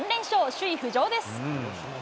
首位浮上です。